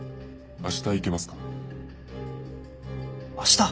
「明日